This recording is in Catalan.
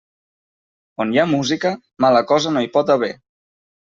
On hi ha música, mala cosa no hi pot haver.